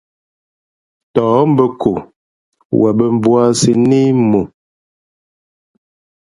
Ntαά mbᾱ ko wen bᾱ mbūᾱsī nā í mʉ.